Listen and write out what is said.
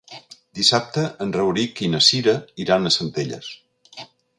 Dissabte en Rauric i na Cira iran a Centelles.